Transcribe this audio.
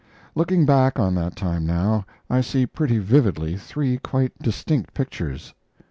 Looking back on that time now, I see pretty vividly three quite distinct pictures.